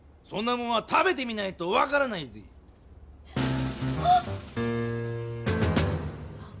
そんなもんは食べてみないとわからないぜぇ！